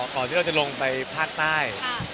ก่อนที่เราจะลงไปภาคใต้